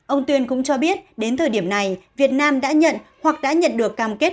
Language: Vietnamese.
ông tuyên cũng cho biết đến thời điểm này việt nam đã nhận hoặc đã nhận được cam kết